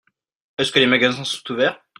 Est-ce que les magasins sont ouverts ?